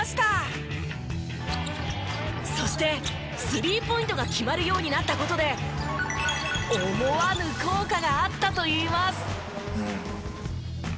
そしてスリーポイントが決まるようになった事で思わぬ効果があったといいます。